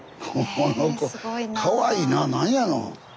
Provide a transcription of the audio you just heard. この子かわいいななんやの。